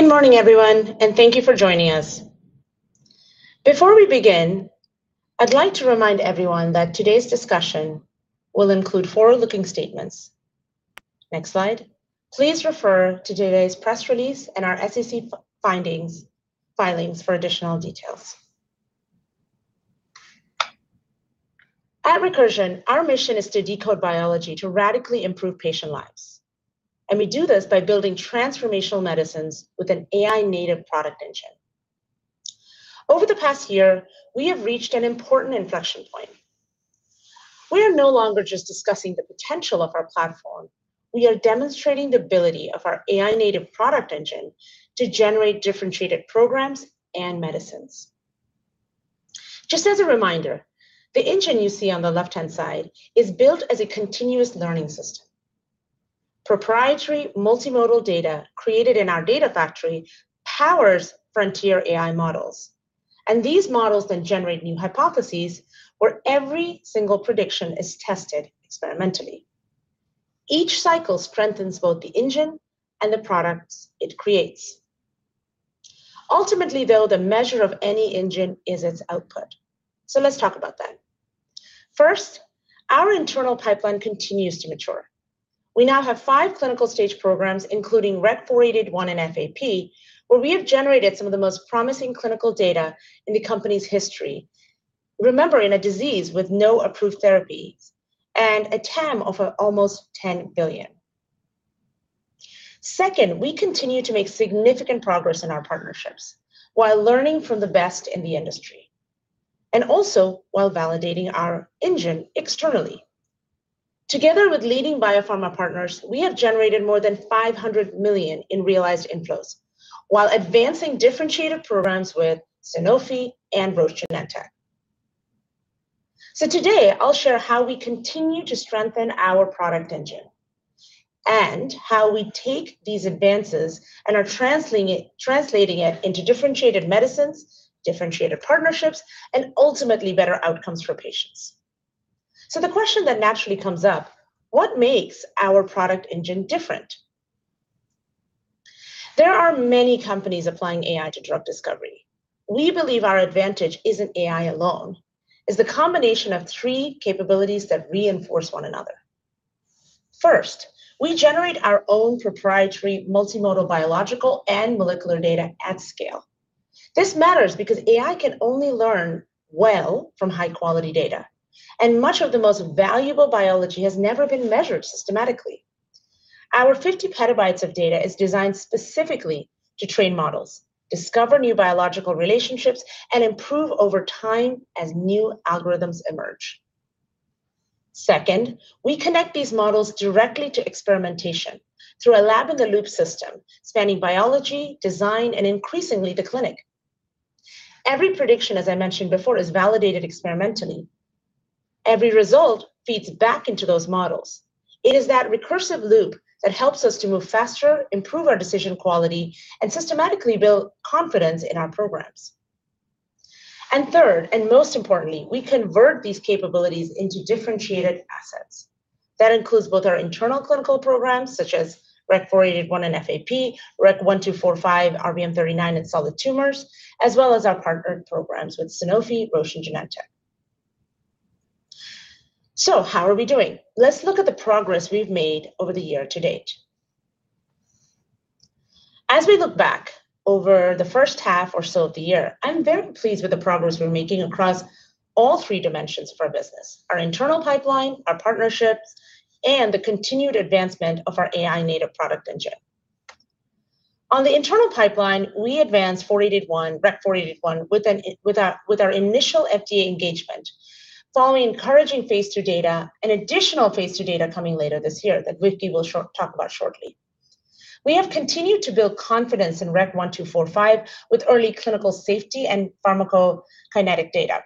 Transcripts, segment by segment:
Good morning everyone, thank you for joining us. Before we begin, I'd like to remind everyone that today's discussion will include forward-looking statements. Next slide. Please refer to today's press release and our SEC filings for additional details. At Recursion, our mission is to decode biology to radically improve patient lives, and we do this by building transformational medicines with an AI-native product engine. Over the past year, we have reached an important inflection point. We are no longer just discussing the potential of our platform. We are demonstrating the ability of our AI-native product engine to generate differentiated programs and medicines. Just as a reminder, the engine you see on the left-hand side is built as a continuous learning system. Proprietary multimodal data created in our data factory powers frontier AI models. These models then generate new hypotheses where every single prediction is tested experimentally. Each cycle strengthens both the engine and the products it creates. Ultimately, though, the measure of any engine is its output. Let's talk about that. First, our internal pipeline continues to mature. We now have five clinical stage programs, including REC-4881 and FAP, where we have generated some of the most promising clinical data in the company's history. Remember, in a disease with no approved therapies and a TAM of almost $10 billion. Second, we continue to make significant progress in our partnerships while learning from the best in the industry, also while validating our engine externally. Together with leading biopharma partners, we have generated more than $500 million in realized inflows while advancing differentiated programs with Sanofi and Roche Genentech. Today, I'll share how we continue to strengthen our product engine and how we take these advances and are translating it into differentiated medicines, differentiated partnerships, and ultimately better outcomes for patients. The question that naturally comes up, what makes our product engine different? There are many companies applying AI to drug discovery. We believe our advantage isn't AI alone, it's the combination of three capabilities that reinforce one another. First, we generate our own proprietary multimodal biological and molecular data at scale. This matters because AI can only learn well from high-quality data, and much of the most valuable biology has never been measured systematically. Our 50 petabytes of data is designed specifically to train models, discover new biological relationships, and improve over time as new algorithms emerge. Second, we connect these models directly to experimentation through a lab-in-the-loop system spanning biology, design, and increasingly, the clinic. Every prediction, as I mentioned before, is validated experimentally. Every result feeds back into those models. It is that recursive loop that helps us to move faster, improve our decision quality, and systematically build confidence in our programs. Third, and most importantly, we convert these capabilities into differentiated assets. That includes both our internal clinical programs such as REC-4881 and FAP, REC-1245, RBM39, and solid tumors, as well as our partnered programs with Sanofi, Roche, and Genentech. How are we doing? Let's look at the progress we've made over the year-to-date. As we look back over the first half or so of the year, I'm very pleased with the progress we're making across all three dimensions of our business, our internal pipeline, our partnerships, and the continued advancement of our AI-native product engine. On the internal pipeline, we advanced REC-4881 with our initial FDA engagement following encouraging phase II data and additional phase II data coming later this year that Vicki will talk about shortly. We have continued to build confidence in REC-1245 with early clinical safety and pharmacokinetic data.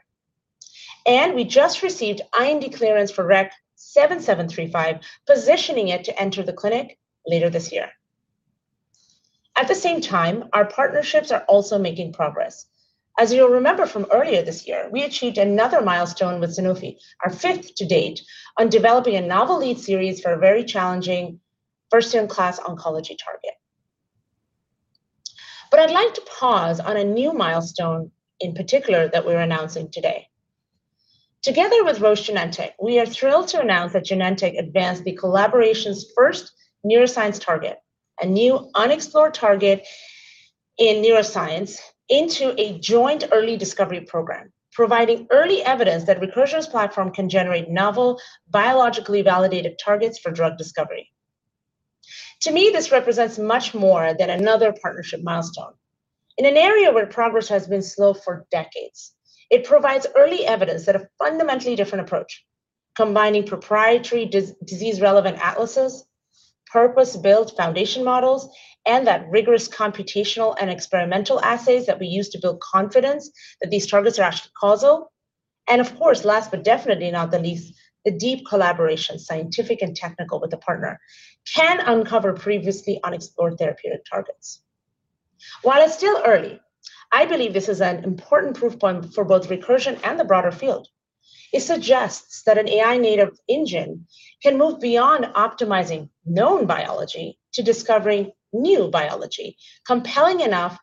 We just received IND clearance for REC-7735, positioning it to enter the clinic later this year. At the same time, our partnerships are also making progress. As you'll remember from earlier this year, we achieved another milestone with Sanofi, our fifth to date, on developing a novel lead series for a very challenging first-in-class oncology target. I'd like to pause on a new milestone in particular that we're announcing today. Together with Roche Genentech, we are thrilled to announce that Genentech advanced the collaboration's first neuroscience target, a new unexplored target in neuroscience, into a joint early discovery program, providing early evidence that Recursion's platform can generate novel, biologically validated targets for drug discovery. To me, this represents much more than another partnership milestone. In an area where progress has been slow for decades, it provides early evidence that a fundamentally different approach, combining proprietary disease relevant atlases, purpose-built foundation models, and that rigorous computational and experimental assays that we use to build confidence that these targets are actually causal. Of course, last but definitely not least, a deep collaboration, scientific and technical, with a partner can uncover previously unexplored therapeutic targets. While it's still early, I believe this is an important proof point for both Recursion and the broader field. It suggests that an AI-native engine can move beyond optimizing known biology to discovering new biology, compelling enough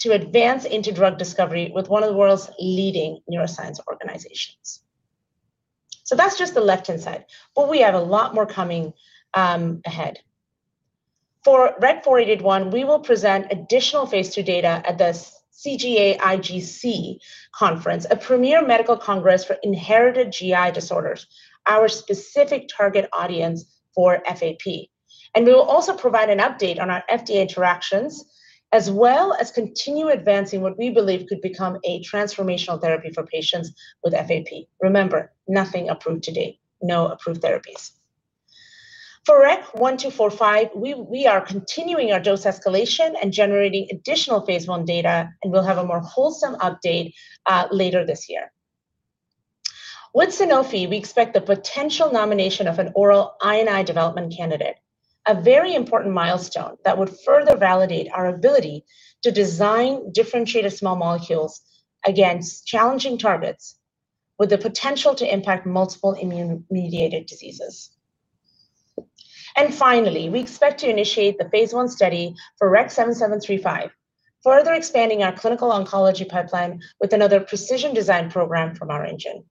to advance into drug discovery with one of the world's leading neuroscience organizations. That's just the left-hand side, but we have a lot more coming ahead. For REC-4881, we will present additional phase II data at the CGA-IGC Conference, a premier medical congress for inherited GI disorders, our specific target audience for FAP. We will also provide an update on our FDA interactions, as well as continue advancing what we believe could become a transformational therapy for patients with FAP. Remember, nothing approved to date, no approved therapies. For REC-1245, we are continuing our dose escalation and generating additional phase I data, and we'll have a more wholesome update later this year. With Sanofi, we expect the potential nomination of an oral I&I development candidate, a very important milestone that would further validate our ability to design differentiated small molecules against challenging targets with the potential to impact multiple immune-mediated diseases. Finally, we expect to initiate the phase I study for REC-7735, further expanding our clinical oncology pipeline with another precision design program from our engine.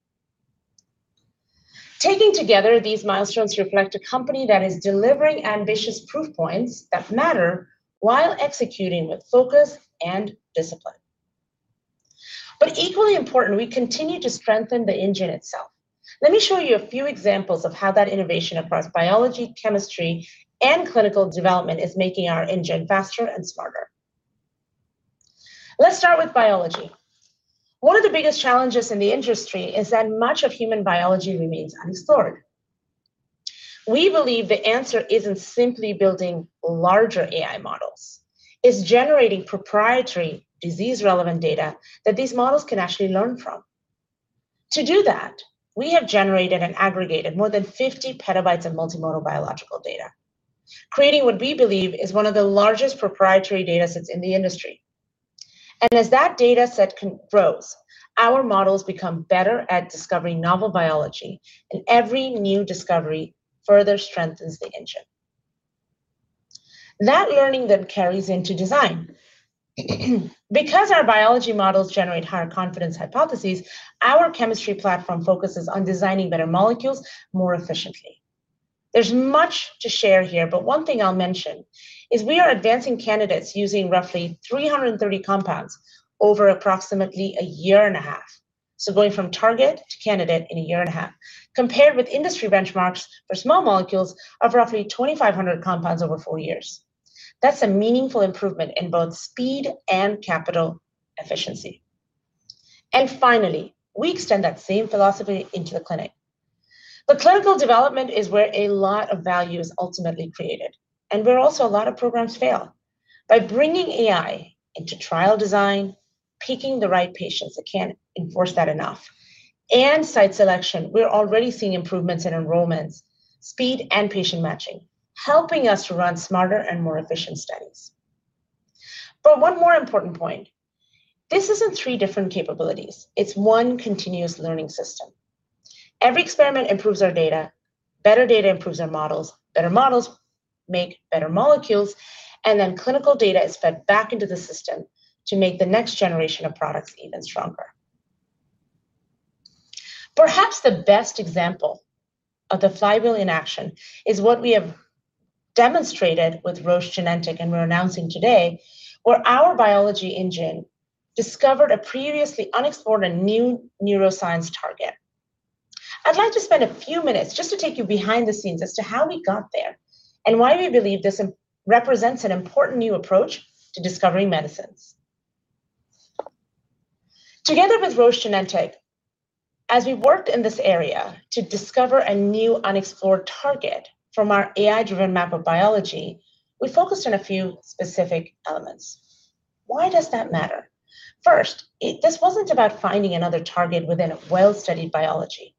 Taken together, these milestones reflect a company that is delivering ambitious proof points that matter while executing with focus and discipline. Equally important, we continue to strengthen the engine itself. Let me show you a few examples of how that innovation across biology, chemistry, and clinical development is making our engine faster and smarter. Let's start with biology. One of the biggest challenges in the industry is that much of human biology remains unexplored. We believe the answer isn't simply building larger AI models. It's generating proprietary disease-relevant data that these models can actually learn from. To do that, we have generated and aggregated more than 50 PB of multimodal biological data, creating what we believe is one of the largest proprietary data sets in the industry. As that data set grows, our models become better at discovering novel biology, and every new discovery further strengthens the engine. That learning then carries into design. Because our biology models generate higher confidence hypotheses, our chemistry platform focuses on designing better molecules more efficiently. There's much to share here, but one thing I'll mention is we are advancing candidates using roughly 330 compounds over approximately a year and a half. Going from target to candidate in a year and a half, compared with industry benchmarks for small molecules of roughly 2,500 compounds over four years. That's a meaningful improvement in both speed and capital efficiency. Finally, we extend that same philosophy into the clinic, clinical development is where a lot of value is ultimately created and where also a lot of programs fail. By bringing AI into trial design, picking the right patients, I can't enforce that enough, and site selection, we're already seeing improvements in enrollments, speed, and patient matching, helping us to run smarter and more efficient studies. One more important point. This isn't three different capabilities. It's one continuous learning system. Every experiment improves our data. Better data improves our models. Better models make better molecules, clinical data is fed back into the system to make the next generation of products even stronger. Perhaps the best example of the flywheel in action is what we have demonstrated with Roche Genentech, and we're announcing today where our biology engine discovered a previously unexplored and new neuroscience target. I'd like to spend a few minutes just to take you behind the scenes as to how we got there and why we believe this represents an important new approach to discovering medicines. Together with Roche Genentech, as we worked in this area to discover a new unexplored target from our AI-driven map of biology, we focused on a few specific elements. Why does that matter? First, this wasn't about finding another target within a well-studied biology.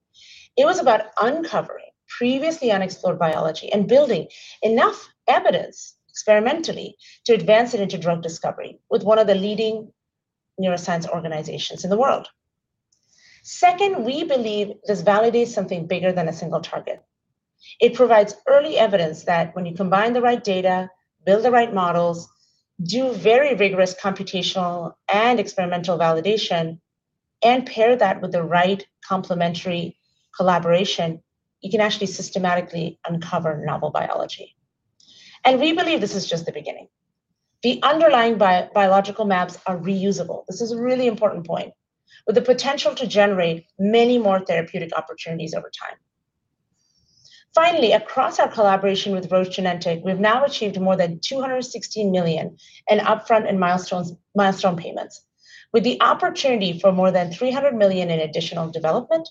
It was about uncovering previously unexplored biology and building enough evidence experimentally to advance it into drug discovery with one of the leading neuroscience organizations in the world. Second, we believe this validates something bigger than a single target. It provides early evidence that when you combine the right data, build the right models, do very rigorous computational and experimental validation, and pair that with the right complementary collaboration, you can actually systematically uncover novel biology. We believe this is just the beginning. The underlying biological maps are reusable, this is a really important point, with the potential to generate many more therapeutic opportunities over time. Finally, across our collaboration with Roche Genentech, we've now achieved more than $216 million in upfront and milestone payments, with the opportunity for more than $300 million in additional development,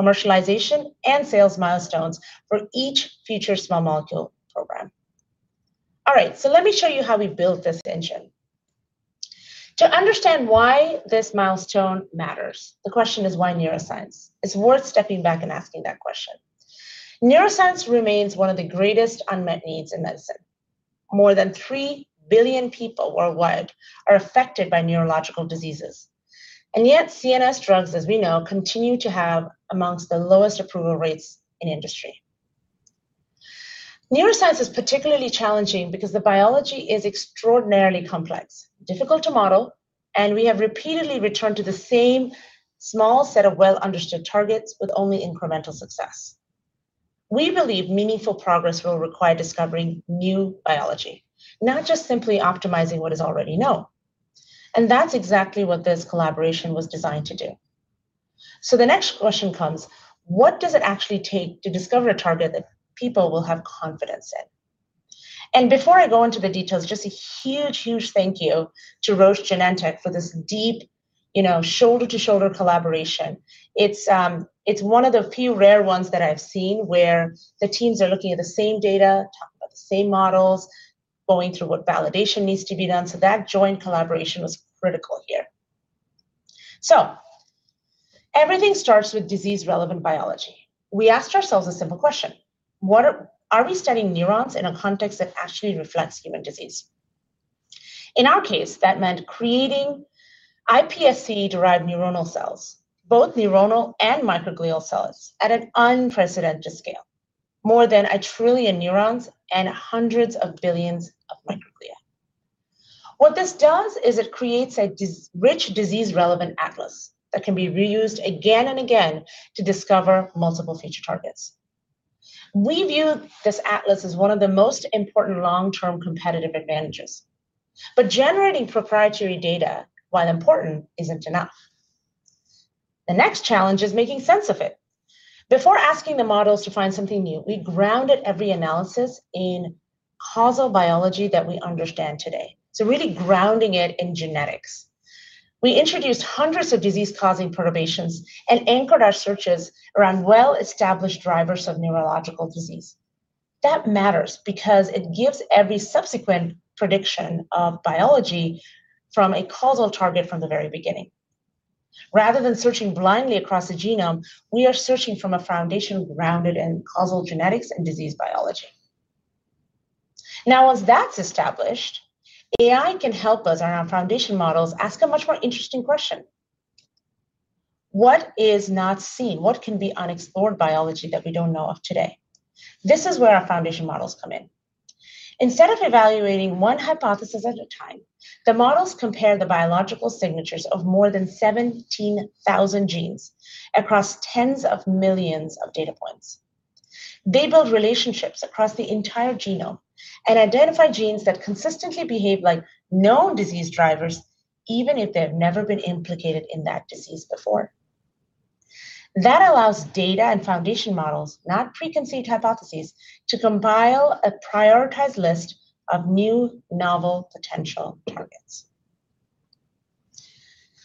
commercialization, and sales milestones for each future small molecule program. All right. Let me show you how we built this engine. To understand why this milestone matters, the question is why neuroscience? It's worth stepping back and asking that question. Neuroscience remains one of the greatest unmet needs in medicine. More than 3 billion people worldwide are affected by neurological diseases. Yet, CNS drugs, as we know, continue to have amongst the lowest approval rates in industry. Neuroscience is particularly challenging because the biology is extraordinarily complex, difficult to model, and we have repeatedly returned to the same small set of well-understood targets with only incremental success. We believe meaningful progress will require discovering new biology, not just simply optimizing what is already known. That's exactly what this collaboration was designed to do. The next question comes: what does it actually take to discover a target that people will have confidence in? Before I go into the details, just a huge thank you to Roche Genentech for this deep shoulder-to-shoulder collaboration. It's one of the few rare ones that I've seen where the teams are looking at the same data, talking about the same models, going through what validation needs to be done. That joint collaboration was critical here. Everything starts with disease-relevant biology. We asked ourselves a simple question: are we studying neurons in a context that actually reflects human disease? In our case, that meant creating iPSC-derived neuronal cells, both neuronal and microglial cells, at an unprecedented scale, more than 1 trillion neurons and hundreds of billions of microglia. What this does is it creates a rich disease-relevant atlas that can be reused again and again to discover multiple future targets. We view this atlas as one of the most important long-term competitive advantages, generating proprietary data, while important, isn't enough. The next challenge is making sense of it. Before asking the models to find something new, we grounded every analysis in causal biology that we understand today. Really grounding it in genetics. We introduced hundreds of disease-causing perturbations and anchored our searches around well-established drivers of neurological disease. That matters because it gives every subsequent prediction of biology from a causal target from the very beginning. Rather than searching blindly across the genome, we are searching from a foundation grounded in causal genetics and disease biology. Once that's established, AI can help us and our foundation models ask a much more interesting question. What is not seen? What can be unexplored biology that we don't know of today? This is where our foundation models come in. Instead of evaluating one hypothesis at a time, the models compare the biological signatures of more than 17,000 genes across tens of millions of data points. They build relationships across the entire genome and identify genes that consistently behave like known disease drivers, even if they've never been implicated in that disease before. That allows data and foundation models, not preconceived hypotheses, to compile a prioritized list of new novel potential targets.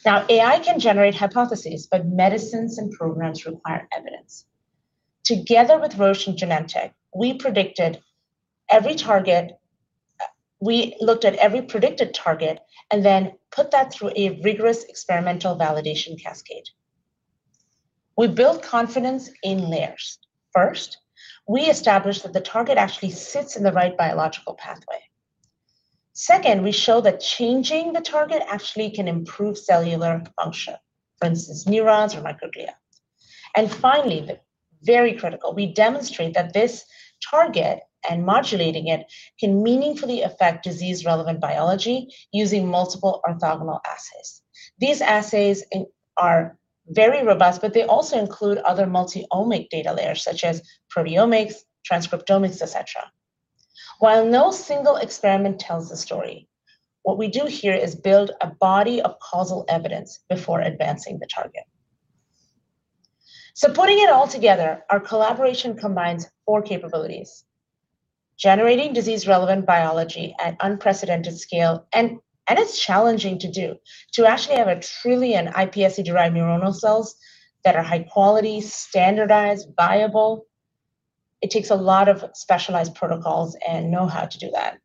AI can generate hypotheses, medicines and programs require evidence. Together with Roche Genentech, we looked at every predicted target and then put that through a rigorous experimental validation cascade. We build confidence in layers. First, we establish that the target actually sits in the right biological pathway. Second, we show that changing the target actually can improve cellular function, for instance, neurons or microglia. Finally, very critical, we demonstrate that this target and modulating it can meaningfully affect disease-relevant biology using multiple orthogonal assays. These assays are very robust, but they also include other multi-omic data layers such as proteomics, transcriptomics, et cetera. While no single experiment tells the story, what we do here is build a body of causal evidence before advancing the target. Putting it all together, our collaboration combines four capabilities. Generating disease-relevant biology at unprecedented scale, and it's challenging to do. To actually have a trillion iPSC-derived neuronal cells that are high quality, standardized, viable, it takes a lot of specialized protocols and know-how to do that.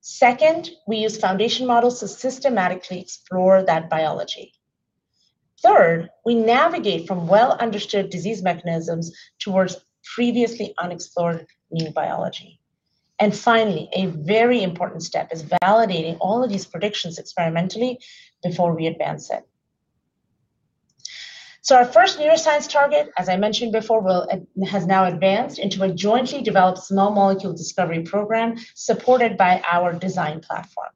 Second, we use foundation models to systematically explore that biology. Third, we navigate from well-understood disease mechanisms towards previously unexplored new biology. Finally, a very important step is validating all of these predictions experimentally before we advance it. Our first neuroscience target, as I mentioned before, has now advanced into a jointly developed small molecule discovery program supported by our design platform.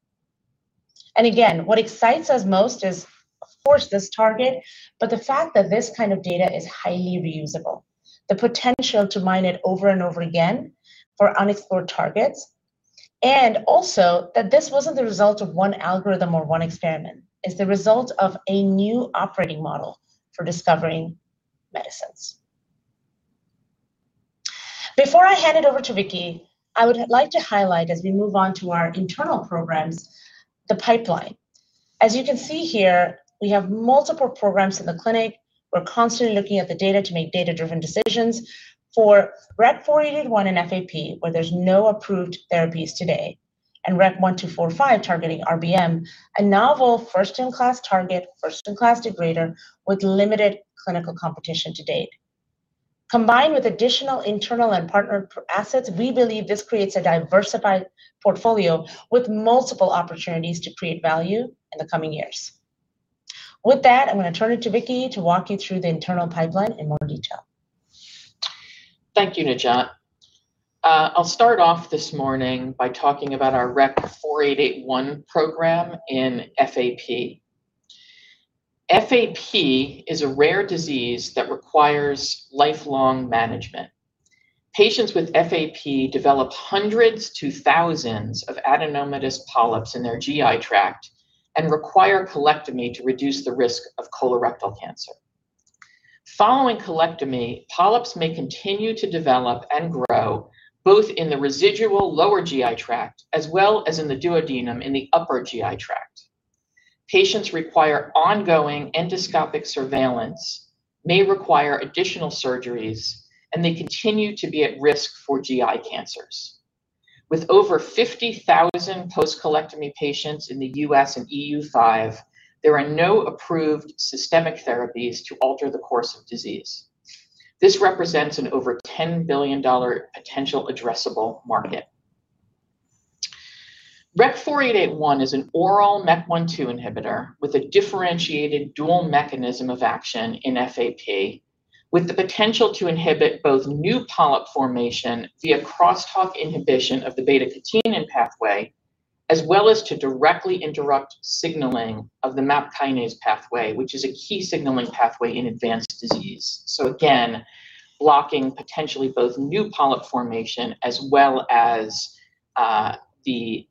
Again, what excites us most is of course this target, but the fact that this kind of data is highly reusable, the potential to mine it over and over again for unexplored targets, and also that this wasn't the result of one algorithm or one experiment. It's the result of a new operating model for discovering medicines. Before I hand it over to Vicki, I would like to highlight as we move on to our internal programs, the pipeline. As you can see here, we have multiple programs in the clinic. We're constantly looking at the data to make data-driven decisions. For REC-4881 and FAP, where there's no approved therapies today. REC-1245 targeting RBM39, a novel first-in-class target, first-in-class degrader with limited clinical competition to date. Combined with additional internal and partner assets, we believe this creates a diversified portfolio with multiple opportunities to create value in the coming years. With that, I'm going to turn it to Vicki to walk you through the internal pipeline in more detail. Thank you, Najat. I'll start off this morning by talking about our REC-4881 program in FAP. FAP is a rare disease that requires lifelong management. Patients with FAP develop hundreds to thousands of adenomatous polyps in their GI tract and require colectomy to reduce the risk of colorectal cancer. Following colectomy, polyps may continue to develop and grow, both in the residual lower GI tract, as well as in the duodenum in the upper GI tract. Patients require ongoing endoscopic surveillance, may require additional surgeries, and they continue to be at risk for GI cancers. With over 50,000 post-colectomy patients in the U.S. and EU5, there are no approved systemic therapies to alter the course of disease. This represents an over $10 billion potential addressable market. REC-4881 is an oral MEK1/2 inhibitor with a differentiated dual mechanism of action in FAP, with the potential to inhibit both new polyp formation via crosstalk inhibition of the beta-catenin pathway, as well as to directly interrupt signaling of the MAP kinase pathway, which is a key signaling pathway in advanced disease. Again, blocking potentially both new polyp formation as well as the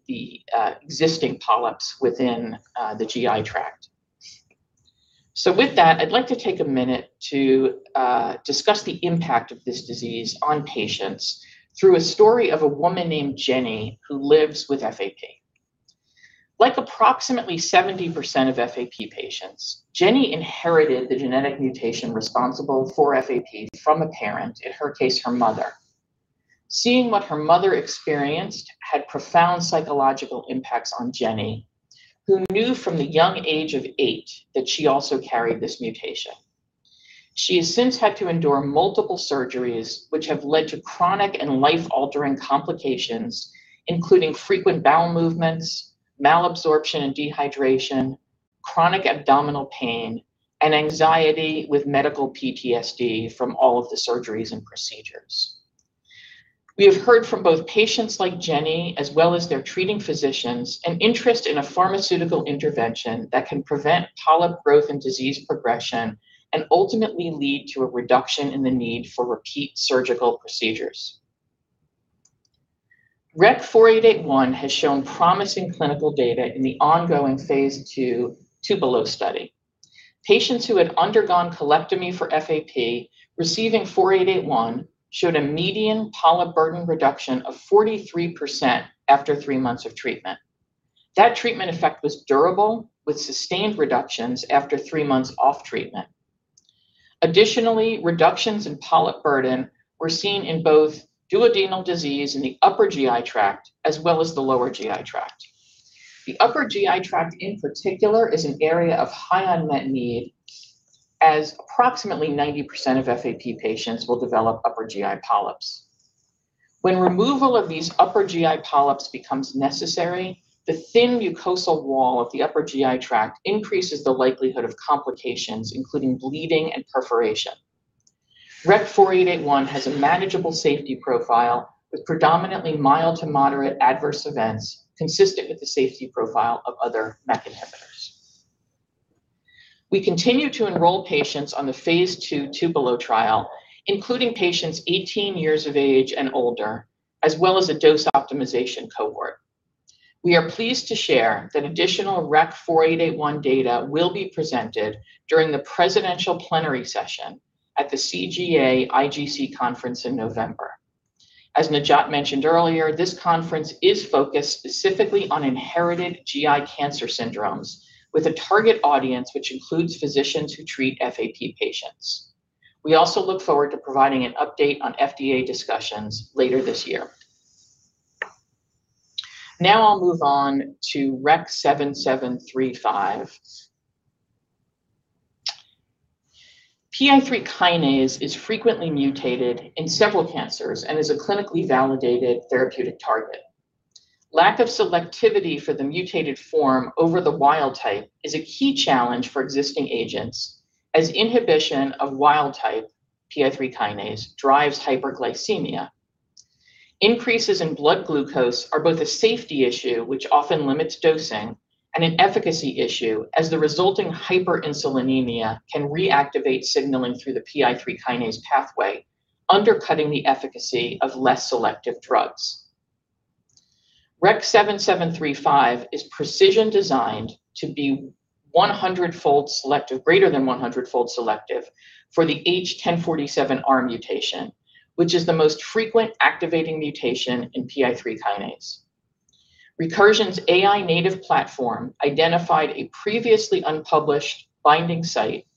existing polyps within the GI tract. With that, I'd like to take a minute to discuss the impact of this disease on patients through a story of a woman named Jenny who lives with FAP. Like approximately 70% of FAP patients, Jenny inherited the genetic mutation responsible for FAP from a parent, in her case, her mother. Seeing what her mother experienced had profound psychological impacts on Jenny, who knew from the young age of eight that she also carried this mutation. She has since had to endure multiple surgeries which have led to chronic and life-altering complications, including frequent bowel movements, malabsorption and dehydration, chronic abdominal pain, and anxiety with medical PTSD from all of the surgeries and procedures. We have heard from both patients like Jenny as well as their treating physicians, an interest in a pharmaceutical intervention that can prevent polyp growth and disease progression, and ultimately lead to a reduction in the need for repeat surgical procedures. REC-4881 has shown promising clinical data in the ongoing phase II TUPELO study. Patients who had undergone colectomy for FAP receiving 4881 showed a median polyp burden reduction of 43% after three months of treatment. That treatment effect was durable with sustained reductions after three months off treatment. Additionally, reductions in polyp burden were seen in both duodenal disease in the upper GI tract as well as the lower GI tract. The upper GI tract in particular is an area of high unmet need, as approximately 90% of FAP patients will develop upper GI polyps. When removal of these upper GI polyps becomes necessary, the thin mucosal wall of the upper GI tract increases the likelihood of complications, including bleeding and perforation. REC-4881 has a manageable safety profile with predominantly mild to moderate adverse events, consistent with the safety profile of other MEK inhibitors. We continue to enroll patients on the phase II TUPELO trial, including patients 18 years of age and older, as well as a dose optimization cohort. We are pleased to share that additional REC-4881 data will be presented during the presidential plenary session at the CGA-IGC Conference in November. As Najat mentioned earlier, this conference is focused specifically on inherited GI cancer syndromes, with a target audience which includes physicians who treat FAP patients. We also look forward to providing an update on FDA discussions later this year. Now I'll move on to REC-7735. PI3 kinase is frequently mutated in several cancers and is a clinically validated therapeutic target. Lack of selectivity for the mutated form over the wild type is a key challenge for existing agents, as inhibition of wild type PI3 kinase drives hyperglycemia. Increases in blood glucose are both a safety issue, which often limits dosing, and an an efficacy issue, as the resulting hyperinsulinemia can reactivate signaling through the PI3 kinase pathway, undercutting the efficacy of less selective drugs. REC-7735 is precision-designed to be greater than 100-fold selective for the H1047R mutation, which is the most frequent activating mutation in PI3 kinase. Recursion's AI native platform identified a previously unpublished binding site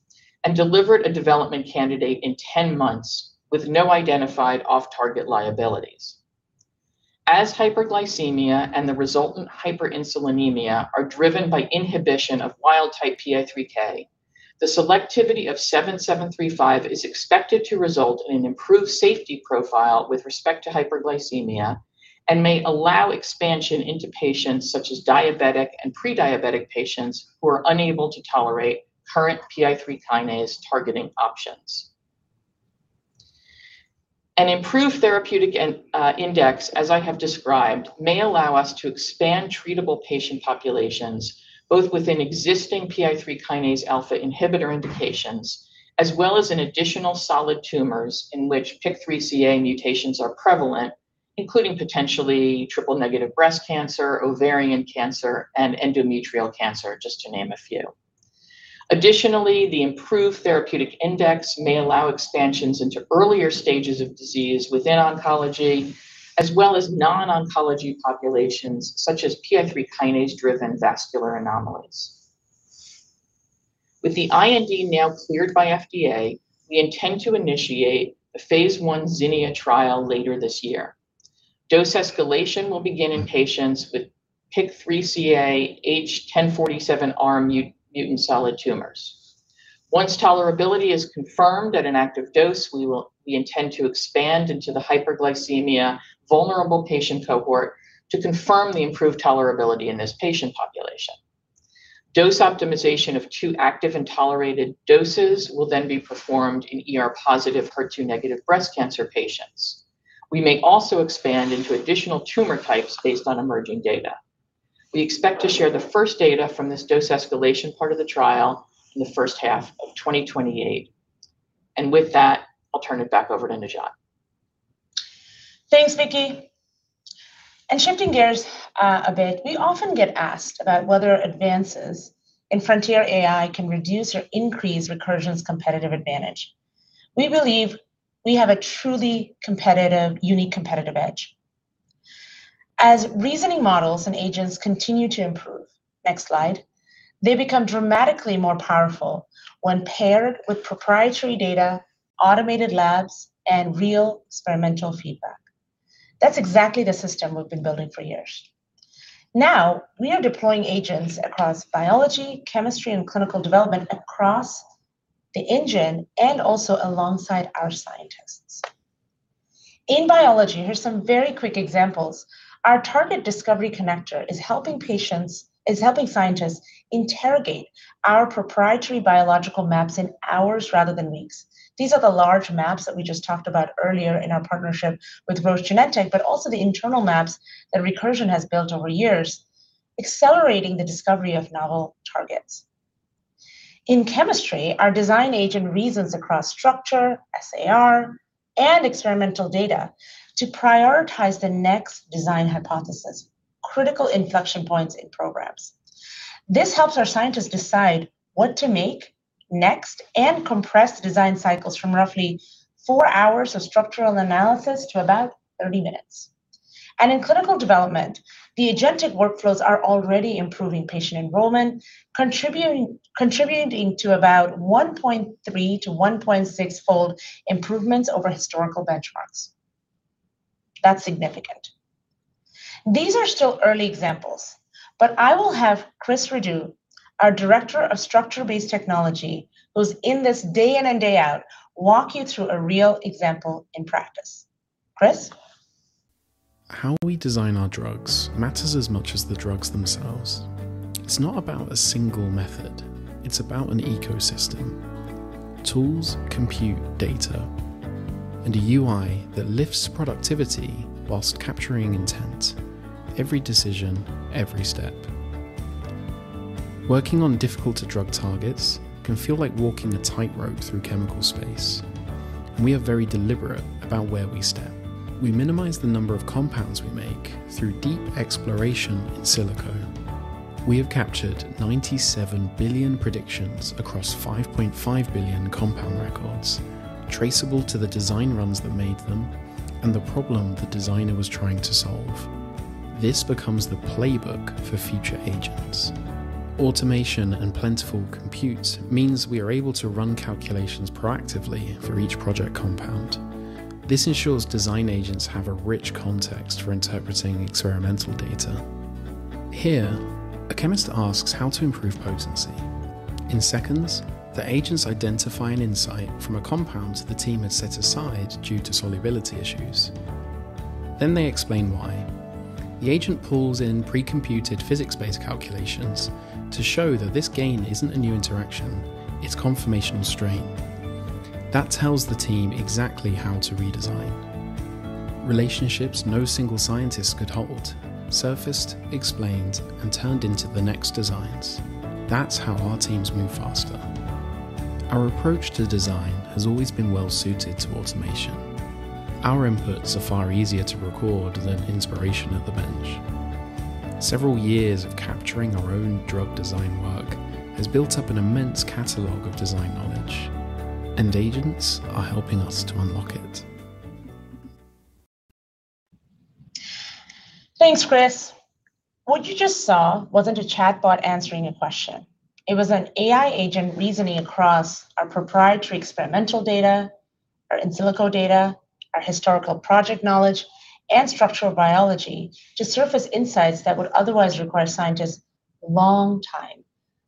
and delivered a development candidate in 10 months with no identified off-target liabilities. As hyperglycemia and the resultant hyperinsulinemia are driven by inhibition of wild-type PI3K, the selectivity of 7735 is expected to result in an improved safety profile with respect to hyperglycemia and may allow expansion into patients such as diabetic and pre-diabetic patients who are unable to tolerate current PI3 kinase targeting options. An improved therapeutic index, as I have described, may allow us to expand treatable patient populations both within existing PI3 kinase inhibitor indications, as well as in additional solid tumors in which PIK3CA mutations are prevalent, including potentially triple negative breast cancer, ovarian cancer, and endometrial cancer, just to name a few. Additionally, the improved therapeutic index may allow expansions into earlier stages of disease within oncology, as well as non-oncology populations such as PI3 kinase driven vascular anomalies. With the IND now cleared by FDA, we intend to initiate the phase I ZINNIA trial later this year. Dose escalation will begin in patients with PIK3CA H1047R mutant solid tumors. Once tolerability is confirmed at an active dose, we intend to expand into the hyperglycemia vulnerable patient cohort to confirm the improved tolerability in this patient population. Dose optimization of two active and tolerated doses will then be performed in ER-positive/HER2-negative breast cancer patients. We may also expand into additional tumor types based on emerging data. We expect to share the first data from this dose escalation part of the trial in the first half of 2028. I'll turn it back over to Najat. Thanks, Vicki. Shifting gears a bit, we often get asked about whether advances in frontier AI can reduce or increase Recursion's competitive advantage. We believe we have a truly unique competitive edge. As reasoning models and agents continue to improve, next slide, they become dramatically more powerful when paired with proprietary data, automated labs, and real experimental feedback. That's exactly the system we've been building for years. Now, we are deploying agents across biology, chemistry, and clinical development across the engine and also alongside our scientists. In biology, here's some very quick examples. Our target discovery connector is helping scientists interrogate our proprietary biological maps in hours rather than weeks. These are the large maps that we just talked about earlier in our partnership with Roche Genentech, but also the internal maps that Recursion has built over years, accelerating the discovery of novel targets. In chemistry, our design agent reasons across structure, SAR, and experimental data to prioritize the next design hypothesis, critical inflection points in programs. This helps our scientists decide what to make next and compress design cycles from roughly four hours of structural analysis to about 30 minutes. In clinical development, the agentic workflows are already improving patient enrollment, contributing to about 1.3-1.6 fold improvements over historical benchmarks. That's significant. These are still early examples, but I will have Chris Radoux, our Director of Structure-Based Technology, who's in this day in and day out, walk you through a real example in practice. Chris? How we design our drugs matters as much as the drugs themselves. It's not about a single method, it's about an ecosystem. Tools, compute data, and a UI that lifts productivity whilst capturing intent. Every decision, every step. Working on difficult to drug targets can feel like walking a tightrope through chemical space, and we are very deliberate about where we step. We minimize the number of compounds we make through deep exploration in silico. We have captured 97 billion predictions across 5.5 billion compound records, traceable to the design runs that made them, and the problem the designer was trying to solve. This becomes the playbook for future agents. Automation and plentiful compute means we are able to run calculations proactively for each project compound. This ensures design agents have a rich context for interpreting experimental data. Here, a chemist asks how to improve potency. In seconds, the agents identify an insight from a compound the team had set aside due to solubility issues. They explain why. The agent pulls in pre-computed physics-based calculations to show that this gain isn't a new interaction, it's conformational strain. That tells the team exactly how to redesign. Relationships no single scientist could hold, surfaced, explained, and turned into the next designs. That's how our teams move faster. Our approach to design has always been well suited to automation. Our inputs are far easier to record than inspiration at the bench. Several years of capturing our own drug design work has built up an immense catalog of design knowledge, and agents are helping us to unlock it. Thanks, Chris. What you just saw wasn't a chatbot answering a question. It was an AI agent reasoning across our proprietary experimental data, our in silico data, our historical project knowledge, and structural biology to surface insights that would otherwise require scientists a long time,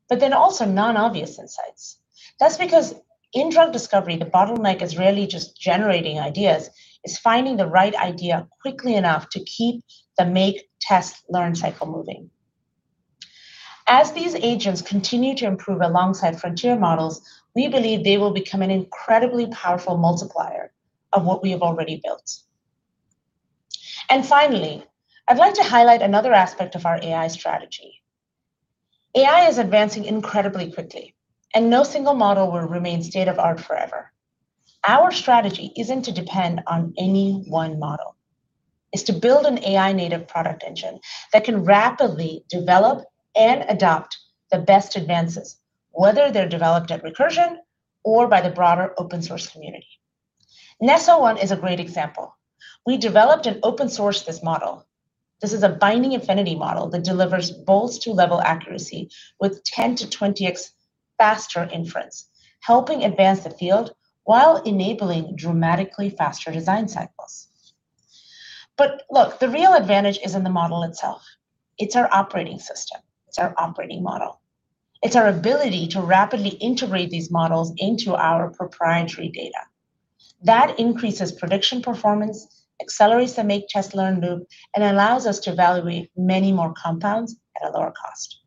but then also non-obvious insights. That's because in drug discovery, the bottleneck is rarely just generating ideas. It's finding the right idea quickly enough to keep the make, test, learn cycle moving. As these agents continue to improve alongside frontier models, we believe they will become an incredibly powerful multiplier of what we have already built. Finally, I'd like to highlight another aspect of our AI strategy. AI is advancing incredibly quickly, and no single model will remain state of art forever. Our strategy isn't to depend on any one model. It's to build an AI native product engine that can rapidly develop and adopt the best advances, whether they're developed at Recursion or by the broader open source community. Nesso-1 is a great example. We developed and open sourced this model. This is a binding affinity model that delivers both two level accuracy with 10x-20x faster inference, helping advance the field while enabling dramatically faster design cycles. Look, the real advantage isn't the model itself. It's our operating system. It's our operating model. It's our ability to rapidly integrate these models into our proprietary data. That increases prediction performance, accelerates the make, test, learn loop, and allows us to evaluate many more compounds at a lower cost.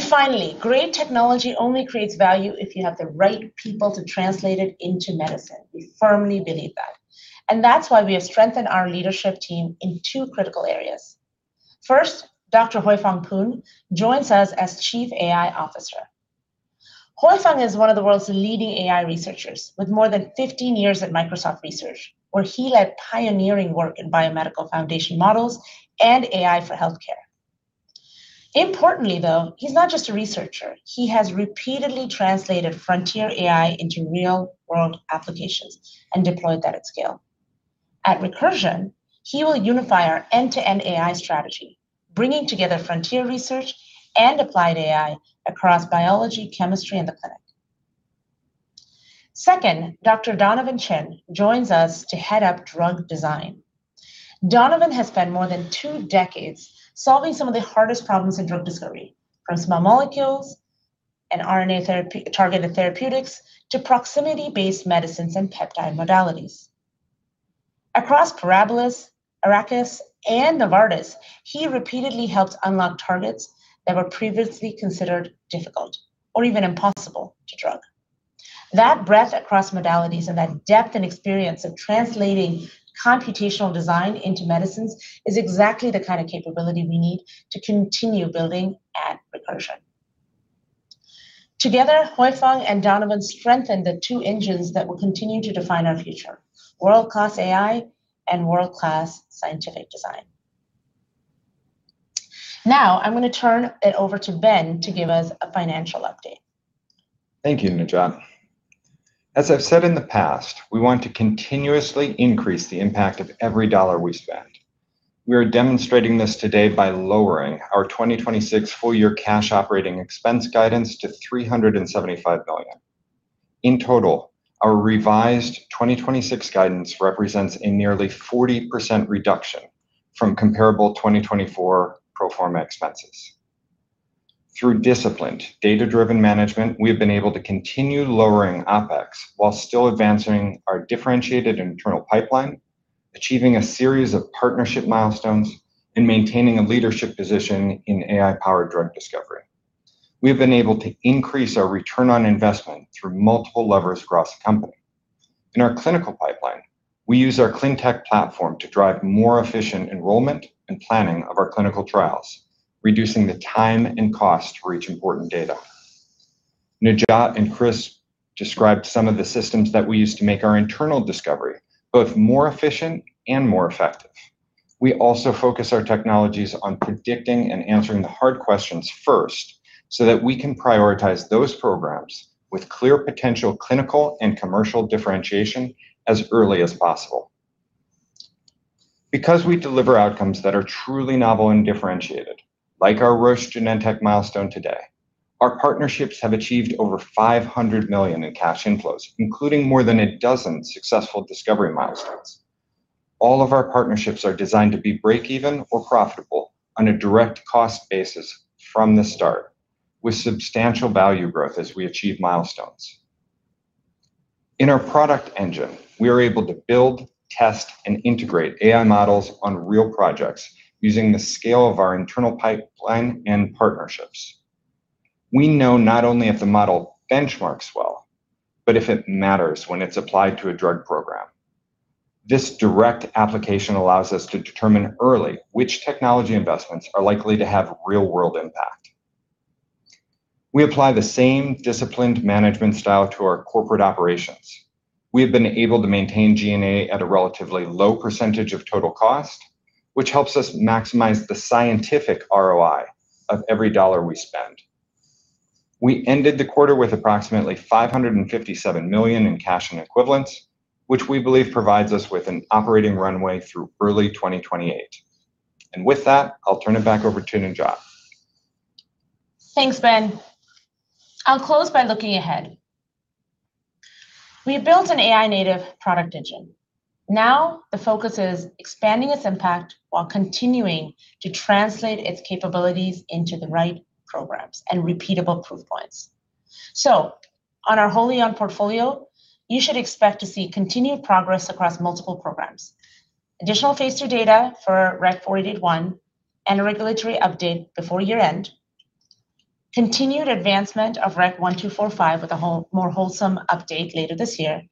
Finally, great technology only creates value if you have the right people to translate it into medicine. We firmly believe that. That's why we have strengthened our leadership team in two critical areas. First, Dr. Hoifung Poon joins us as Chief AI Officer. Hoifung is one of the world's leading AI researchers, with more than 15 years at Microsoft Research, where he led pioneering work in biomedical foundation models and AI for healthcare. Importantly, though, he's not just a researcher. He has repeatedly translated frontier AI into real-world applications and deployed that at scale. At Recursion, he will unify our end-to-end AI strategy, bringing together frontier research and applied AI across biology, chemistry, and the clinic. Second, Dr. Donovan Chin joins us to head up drug design. Donovan has spent more than two decades solving some of the hardest problems in drug discovery, from small molecules and RNA targeted therapeutics, to proximity-based medicines and peptide modalities. Across Parabilis, Arrakis, and Novartis, he repeatedly helped unlock targets that were previously considered difficult or even impossible to drug. That breadth across modalities and that depth and experience of translating computational design into medicines is exactly the kind of capability we need to continue building at Recursion. Together, Hoifung and Donovan strengthen the two engines that will continue to define our future, world-class AI and world-class scientific design. I'm going to turn it over to Ben to give us a financial update. Thank you, Najat. As I've said in the past, we want to continuously increase the impact of every dollar we spend. We are demonstrating this today by lowering our 2026 full-year cash operating expense guidance to $375 million. In total, our revised 2026 guidance represents a nearly 40% reduction from comparable 2024 pro forma expenses. Through disciplined data-driven management, we have been able to continue lowering OpEx while still advancing our differentiated internal pipeline, achieving a series of partnership milestones, and maintaining a leadership position in AI powered drug discovery. We have been able to increase our return on investment through multiple levers across the company. In our clinical pipeline, we use our ClinTech platform to drive more efficient enrollment and planning of our clinical trials, reducing the time and cost to reach important data. Najat and Chris described some of the systems that we use to make our internal discovery both more efficient and more effective. We also focus our technologies on predicting and answering the hard questions first so that we can prioritize those programs with clear potential clinical and commercial differentiation as early as possible. Because we deliver outcomes that are truly novel and differentiated, like our Roche Genentech milestone today, our partnerships have achieved over $500 million in cash inflows, including more than a dozen successful discovery milestones. All of our partnerships are designed to be break even or profitable on a direct cost basis from the start, with substantial value growth as we achieve milestones. In our product engine, we are able to build, test, and integrate AI models on real projects using the scale of our internal pipeline and partnerships. We know not only if the model benchmarks well, but if it matters when it's applied to a drug program. This direct application allows us to determine early which technology investments are likely to have real world impact. We apply the same disciplined management style to our corporate operations. We have been able to maintain G&A at a relatively low percentage of total cost, which helps us maximize the scientific ROI of every dollar we spend. We ended the quarter with approximately $557 million in cash and equivalents, which we believe provides us with an operating runway through early 2028. With that, I'll turn it back over to Najat. Thanks, Ben. I'll close by looking ahead. We have built an AI native product engine. The focus is expanding its impact while continuing to translate its capabilities into the right programs and repeatable proof points. On our wholly owned portfolio, you should expect to see continued progress across multiple programs. Additional phase II data for REC-4881 and a regulatory update before year-end, continued advancement of REC-1245 with a more wholesome update later this year,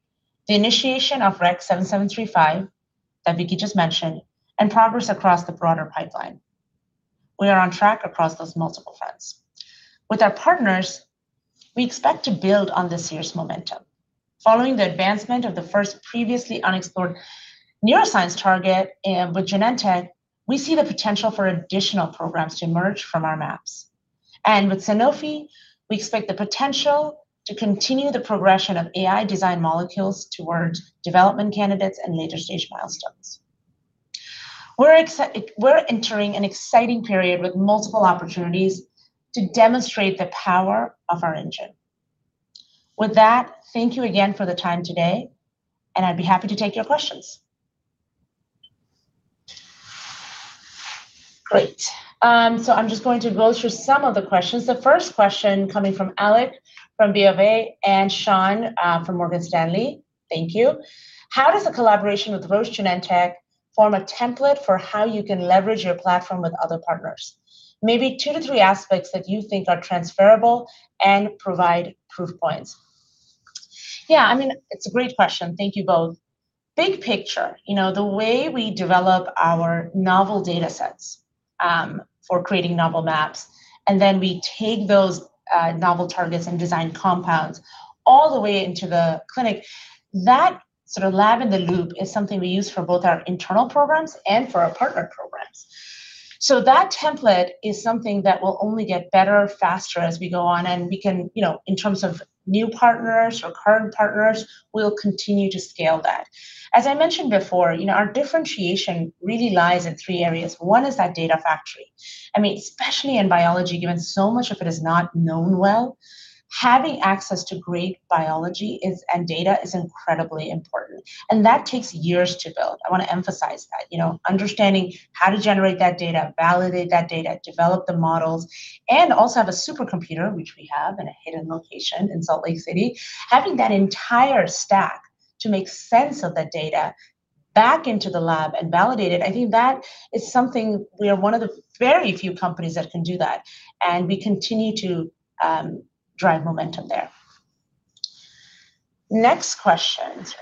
the initiation of REC-7735 that Vicki just mentioned, and progress across the broader pipeline. We are on track across those multiple fronts. With our partners, we expect to build on this year's momentum. Following the advancement of the first previously unexplored neuroscience target with Genentech, we see the potential for additional programs to emerge from our maps. With Sanofi, we expect the potential to continue the progression of AI designed molecules towards development candidates and later stage milestones. We're entering an exciting period with multiple opportunities to demonstrate the power of our engine. With that, thank you again for the time today, and I'd be happy to take your questions. Great. I'm just going to go through some of the questions. The first question coming from Alec from BofA and Sean from Morgan Stanley. Thank you. How does a collaboration with Roche Genentech form a template for how you can leverage your platform with other partners? Maybe two to three aspects that you think are transferable and provide proof points. Yeah, I mean, it's a great question. Thank you both. Big picture, the way we develop our novel data sets for creating novel maps, and then we take those novel targets and design compounds all the way into the clinic, that sort of lab in the loop is something we use for both our internal programs and for our partner programs. That template is something that will only get better, faster as we go on, and we can, in terms of new partners or current partners, we'll continue to scale that. As I mentioned before, our differentiation really lies in three areas. One is that data factory. Especially in biology, given so much of it is not known well, having access to great biology and data is incredibly important, and that takes years to build. I want to emphasize that. Understanding how to generate that data, validate that data, develop the models, also have a supercomputer, which we have in a hidden location in Salt Lake City. Having that entire stack to make sense of that data back into the lab and validate it, I think that is something we are one of the very few companies that can do that, and we continue to drive momentum there. Next question. This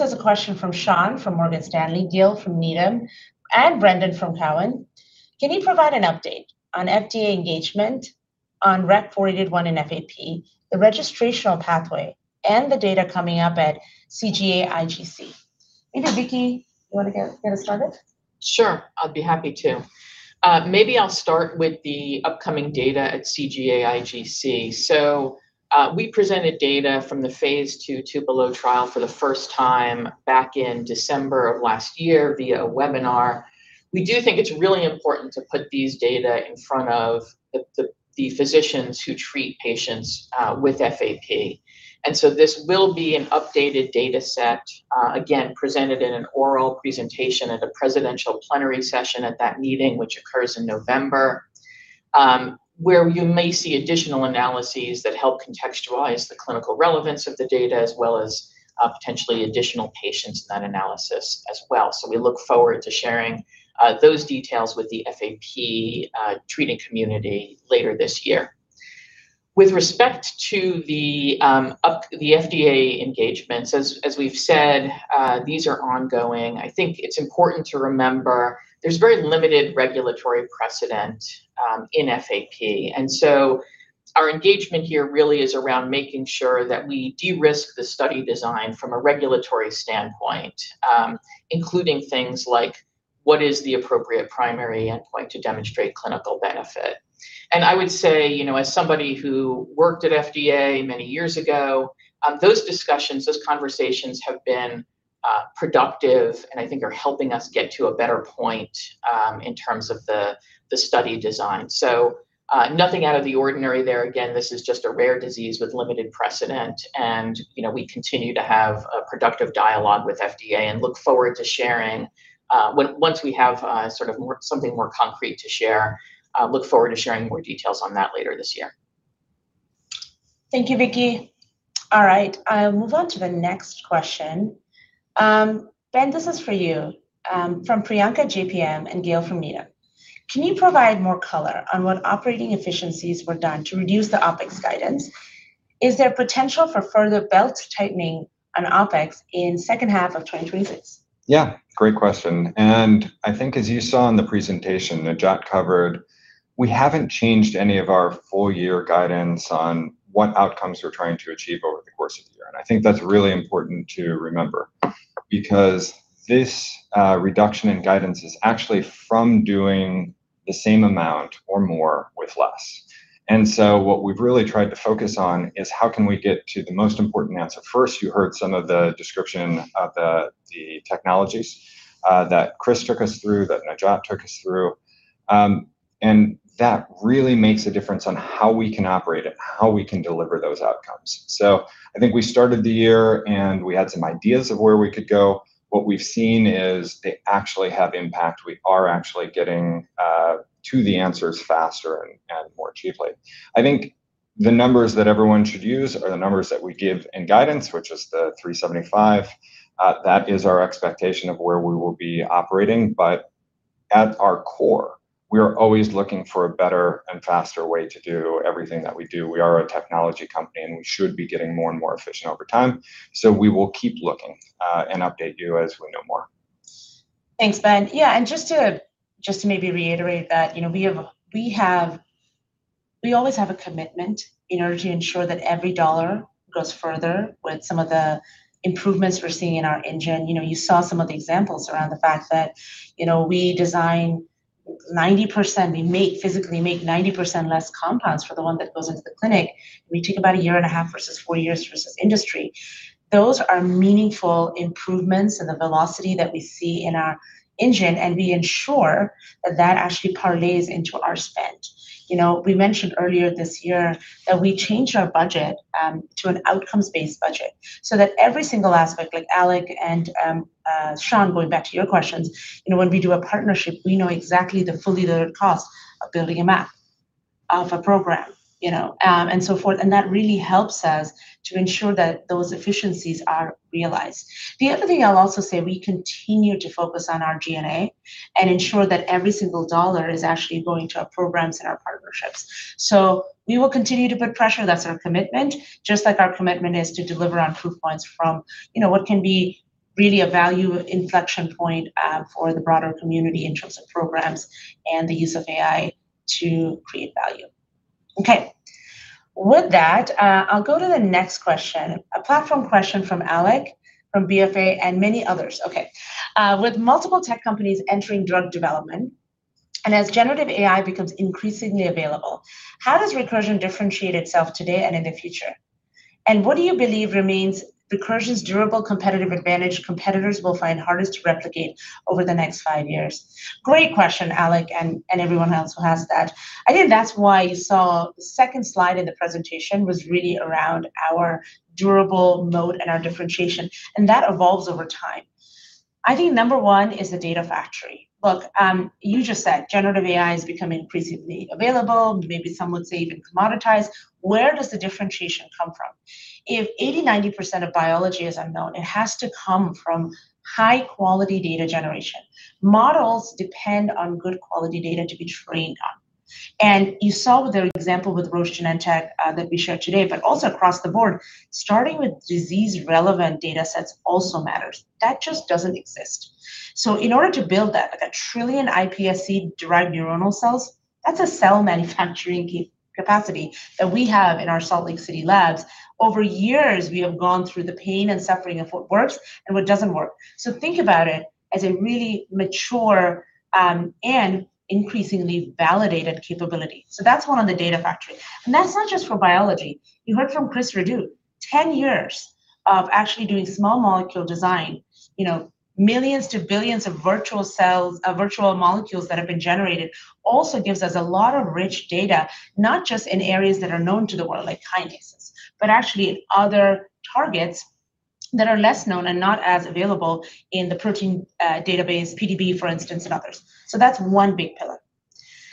is a question from Sean from Morgan Stanley, Gil from Needham, and Brendan from Cowen. Can you provide an update on FDA engagement on REC-4881 in FAP, the registrational pathway, and the data coming up at CGA-IGC? Vicki, you want to get us started? Sure, I'd be happy to. Maybe I'll start with the upcoming data at CGA-IGC. We presented data from the phase II TUPELO trial for the first time back in December of last year via a webinar. We do think it's really important to put these data in front of the physicians who treat patients with FAP. This will be an updated data set, again, presented in an oral presentation at a presidential plenary session at that meeting, which occurs in November, where you may see additional analyses that help contextualize the clinical relevance of the data as well as potentially additional patients in that analysis as well. We look forward to sharing those details with the FAP treating community later this year. With respect to the FDA engagements, as we've said, these are ongoing. I think it's important to remember there's very limited regulatory precedent in FAP. Our engagement here really is around making sure that we de-risk the study design from a regulatory standpoint, including things like what is the appropriate primary endpoint to demonstrate clinical benefit. I would say, as somebody who worked at FDA many years ago, those discussions, those conversations have been productive and I think are helping us get to a better point in terms of the study design. Nothing out of the ordinary there. Again, this is just a rare disease with limited precedent and we continue to have a productive dialogue with FDA and look forward to sharing once we have something more concrete to share, look forward to sharing more details on that later this year. Thank you, Vicki. All right, I'll move on to the next question. Ben, this is for you, from Priyanka JPM and Gil from Needham. Can you provide more color on what operating efficiencies were done to reduce the OpEx guidance? Is there potential for further belt-tightening on OpEx in second half of 2026? Yeah. Great question. I think as you saw in the presentation Najat covered, we haven't changed any of our full-year guidance on what outcomes we're trying to achieve over the course of the year. I think that's really important to remember. This reduction in guidance is actually from doing the same amount or more with less. What we've really tried to focus on is how can we get to the most important answer first. You heard some of the description of the technologies that Chris took us through, that Najat took us through. That really makes a difference on how we can operate and how we can deliver those outcomes. I think we started the year and we had some ideas of where we could go. What we've seen is they actually have impact. We are actually getting to the answers faster and more cheaply. I think the numbers that everyone should use are the numbers that we give in guidance, which is the $375 million. That is our expectation of where we will be operating. At our core, we are always looking for a better and faster way to do everything that we do. We are a technology company. We should be getting more and more efficient over time. We will keep looking, and update you as we know more. Thanks, Ben. Yeah, just to maybe reiterate that, we always have a commitment in order to ensure that every dollar goes further with some of the improvements we're seeing in our engine. You saw some of the examples around the fact that we design 90%, we physically make 90% less compounds for the one that goes into the clinic. We take about a year and a half versus four years versus industry. Those are meaningful improvements in the velocity that we see in our engine. We ensure that that actually parlays into our spend. We mentioned earlier this year that we changed our budget to an outcomes-based budget. Every single aspect, like Alec, Sean, going back to your questions, when we do a partnership, we know exactly the fully loaded cost of building a map of a program, and so forth. That really helps us to ensure that those efficiencies are realized. The other thing I'll also say, we continue to focus on our DNA. We ensure that every single dollar is actually going to our programs and our partnerships. We will continue to put pressure. That's our commitment. Just like our commitment is to deliver on proof points from what can be really a value inflection point for the broader community in terms of programs and the use of AI to create value. Okay. With that, I'll go to the next question, a platform question from Alec, from BofA, and many others. Okay. With multiple tech companies entering drug development, as generative AI becomes increasingly available, how does Recursion differentiate itself today and in the future? What do you believe remains Recursion's durable competitive advantage competitors will find hardest to replicate over the next five years? Great question, Alec, and everyone else who asked that. I think that's why you saw the second slide in the presentation was really around our durable mode and our differentiation, and that evolves over time. I think number one is the data factory. Look, you just said generative AI is becoming increasingly available, maybe some would say even commoditized. Where does the differentiation come from? If 80%, 90% of biology is unknown, it has to come from high-quality data generation. Models depend on good quality data to be trained on. You saw the example with Roche Genentech that we showed today, but also across the board, starting with disease-relevant data sets also matters. That just doesn't exist. In order to build that, like a trillion iPSC-derived neuronal cells, that's a cell manufacturing capacity that we have in our Salt Lake City labs. Over years, we have gone through the pain and suffering of what works and what doesn't work. Think about it as a really mature, and increasingly validated capability. That's one on the data factory. That's not just for biology. You heard from Chris Radoux. 10 years of actually doing small molecule design, millions to billions of virtual molecules that have been generated also gives us a lot of rich data, not just in areas that are known to the world like kinases, but actually other targets that are less known and not as available in the protein database, PDB, for instance, and others. That's one big pillar.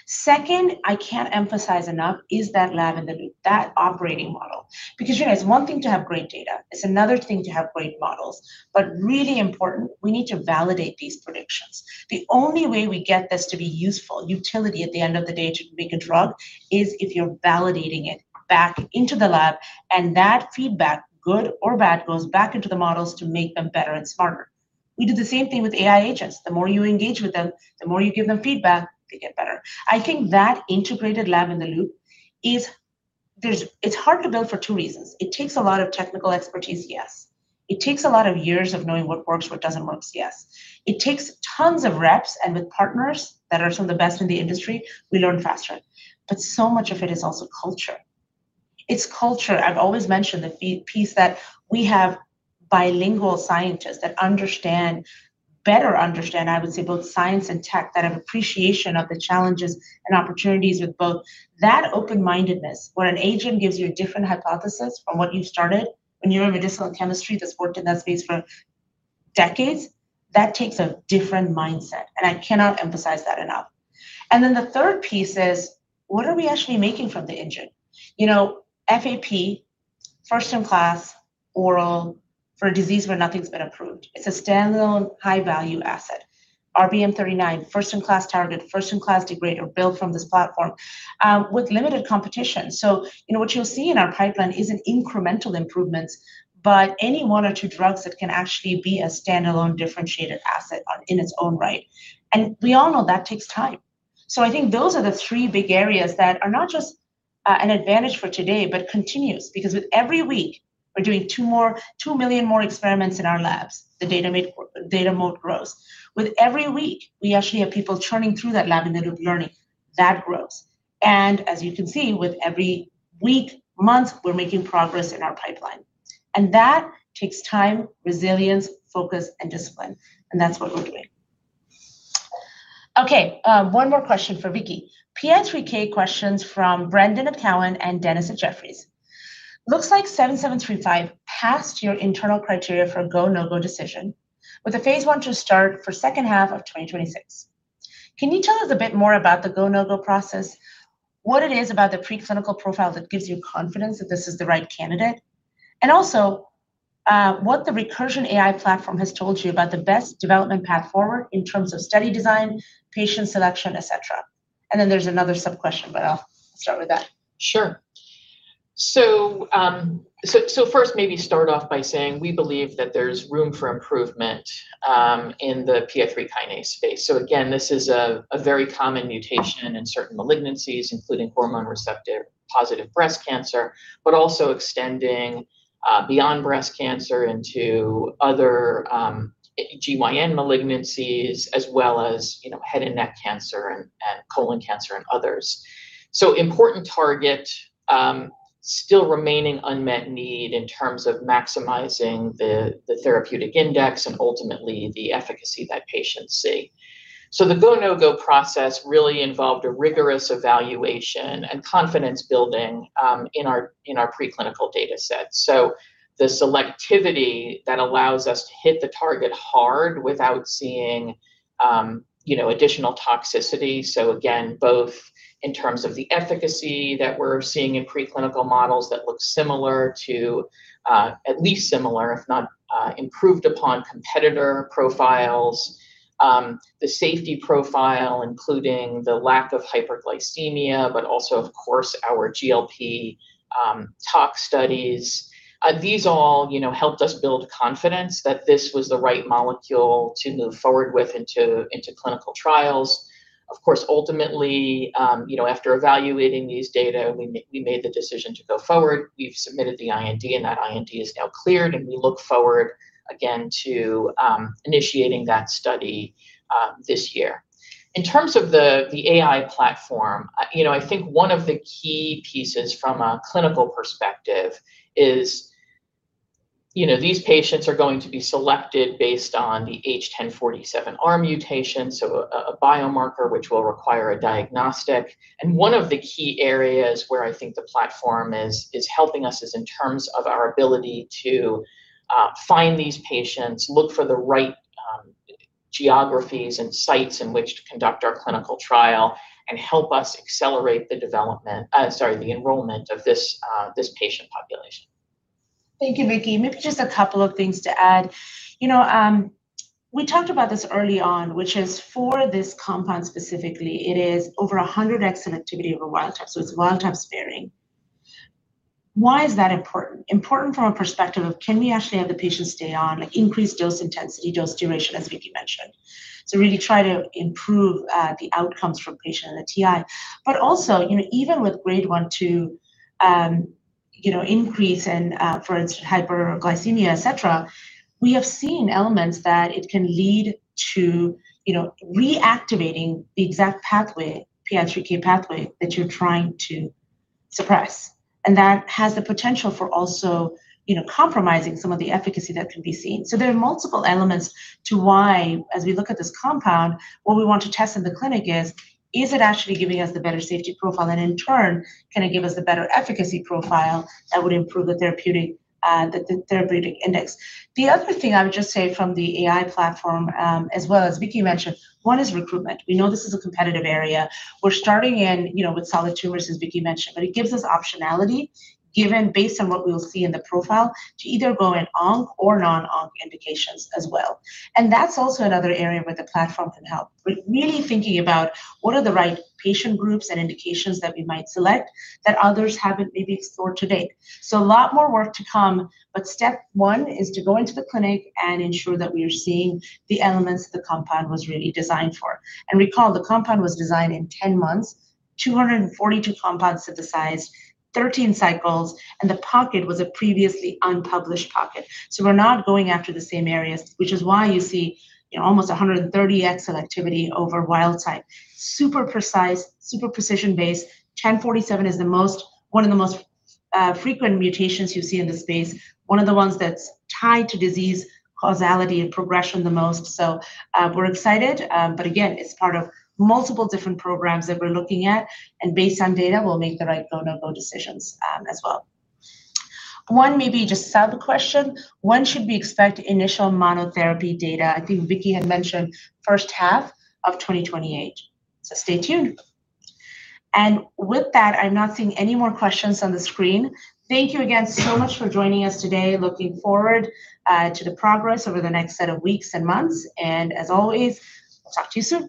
Second, I can't emphasize enough, is that lab and that operating model. It's one thing to have great data, it's another thing to have great models. Really important, we need to validate these predictions. The only way we get this to be useful, utility at the end of the day to make a drug, is if you're validating it back into the lab, and that feedback, good or bad, goes back into the models to make them better and smarter. We do the same thing with AI agents. The more you engage with them, the more you give them feedback, they get better. I think that integrated lab in the loop, it's hard to build for two reasons. It takes a lot of technical expertise, yes. It takes a lot of years of knowing what works, what doesn't work, yes. It takes tons of reps, and with partners that are some of the best in the industry, we learn faster. So much of it is also culture. It's culture. I've always mentioned the piece that we have bilingual scientists that better understand, I would say, both science and tech, that have appreciation of the challenges and opportunities with both. That open-mindedness, when an agent gives you a different hypothesis from what you started, when you're in medicinal chemistry that's worked in that space for decades, that takes a different mindset, I cannot emphasize that enough. The third piece is, what are we actually making from the engine? FAP, first-in-class oral for a disease where nothing's been approved. It's a standalone high-value asset. RBM39, first-in-class target, first-in-class degrader built from this platform, with limited competition. What you'll see in our pipeline isn't incremental improvements, but any one or two drugs that can actually be a standalone differentiated asset in its own right. We all know that takes time. I think those are the three big areas that are not just an advantage for today, but continues, because with every week we're doing 2 million more experiments in our labs, the data mode grows. With every week, we actually have people churning through that lab and they're learning. That grows. As you can see, with every week, month, we're making progress in our pipeline. That takes time, resilience, focus, and discipline, and that's what we're doing. Okay, one more question for Vicki. PI3K questions from Brendan of Cowen and Dennis at Jefferies. Looks like REC-7735 passed your internal criteria for go/no-go decision, with a phase I to start for second half of 2026. Can you tell us a bit more about the go/no-go process, what it is about the preclinical profile that gives you confidence that this is the right candidate, and also what the Recursion AI platform has told you about the best development path forward in terms of study design, patient selection, et cetera? There's another sub-question, but I'll start with that. Sure. First maybe start off by saying we believe that there's room for improvement in the PI3 kinase space. Again, this is a very common mutation in certain malignancies, including hormone receptor-positive breast cancer, but also extending beyond breast cancer into other GYN malignancies, as well as head and neck cancer and colon cancer and others. Important target, still remaining unmet need in terms of maximizing the therapeutic index and ultimately the efficacy that patients see. The go/no-go process really involved a rigorous evaluation and confidence building in our preclinical data sets. The selectivity that allows us to hit the target hard without seeing additional toxicity. Again, both in terms of the efficacy that we're seeing in preclinical models that look at least similar, if not improved upon competitor profiles, the safety profile, including the lack of hyperglycemia, but also, of course, our GLP tox studies. These all helped us build confidence that this was the right molecule to move forward with into clinical trials. Of course, ultimately, after evaluating these data, we made the decision to go forward. We've submitted the IND, that IND is now cleared, we look forward again to initiating that study this year. In terms of the AI platform, I think one of the key pieces from a clinical perspective is these patients are going to be selected based on the H1047R mutation, so a biomarker which will require a diagnostic. One of the key areas where I think the platform is helping us is in terms of our ability to find these patients, look for the right geographies and sites in which to conduct our clinical trial, and help us accelerate the enrollment of this patient population. Thank you, Vicki. Maybe just a couple of things to add. We talked about this early on, which is for this compound specifically, it is over 100x selectivity over wild type, so it's wild type sparing. Why is that important? Important from a perspective of can we actually have the patient stay on increased dose intensity, dose duration, as Vicki mentioned. Really try to improve the outcomes for a patient and the TI. Also, even with Grade 1/2 increase for hyperglycemia, et cetera, we have seen elements that it can lead to reactivating the exact pathway, PI3K pathway, that you're trying to suppress. That has the potential for also compromising some of the efficacy that can be seen. There are multiple elements to why, as we look at this compound, what we want to test in the clinic is it actually giving us the better safety profile, and in turn, can it give us the better efficacy profile that would improve the therapeutic index? The other thing I would just say from the AI platform, as well as Vicki mentioned, one is recruitment. We know this is a competitive area. We're starting in with solid tumors, as Vicki mentioned, but it gives us optionality given based on what we will see in the profile to either go in on or non-onc indications as well. That's also another area where the platform can help. Really thinking about what are the right patient groups and indications that we might select that others haven't maybe explored to date. A lot more work to come, but step one is to go into the clinic and ensure that we are seeing the elements the compound was really designed for. Recall, the compound was designed in 10 months, 242 compounds synthesized, 13 cycles, the pocket was a previously unpublished pocket. We're not going after the same areas, which is why you see almost 130x selectivity over wild type. Super precise, super precision-based. 1047 is one of the most frequent mutations you see in the space, one of the ones that's tied to disease causality and progression the most. We're excited. Again, it's part of multiple different programs that we're looking at. Based on data, we'll make the right go/no-go decisions as well. One maybe just sub-question, when should we expect initial monotherapy data? I think Vicki had mentioned first half of 2028. Stay tuned. With that, I'm not seeing any more questions on the screen. Thank you again so much for joining us today. Looking forward to the progress over the next set of weeks and months. As always, we'll talk to you soon.